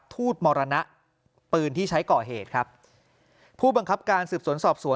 ทูตมรณะปืนที่ใช้ก่อเหตุครับผู้บังคับการสืบสวนสอบสวน